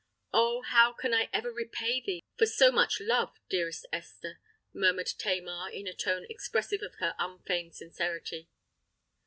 "Oh! how can I ever repay thee for so much love, dearest Esther?" murmured Tamar in a tone expressive of her unfeigned sincerity.